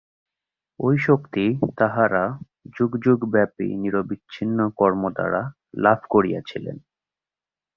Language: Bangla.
ঐ শক্তি তাঁহারা যুগযুগব্যাপী নিরবচ্ছিন্ন কর্মদ্বারা লাভ করিয়াছিলেন।